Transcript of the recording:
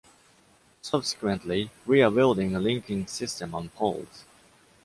Subsequently, we are building a linking system on poles.